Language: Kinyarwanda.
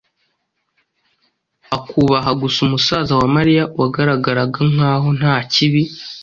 akubaha gusa musaza wa Mariya wagaragaraga nkaho nta kibi